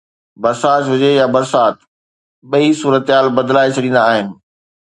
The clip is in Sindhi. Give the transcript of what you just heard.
برسات هجي يا برسات، ٻئي صورتحال بدلائي ڇڏيندا آهن.